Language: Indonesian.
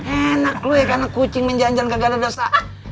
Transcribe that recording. enak lo ya karena kucing menjanjil ke galadosta